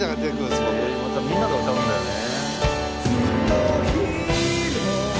またみんなが歌うんだよね。